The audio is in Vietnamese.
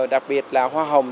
đặc biệt là hoa hồng